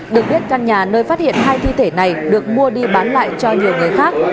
được biết căn nhà nơi phát hiện hai thi thể này được mua đi bán lại cho nhiều người khác